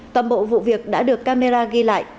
toàn bộ vụ việc đã được camera ghi lại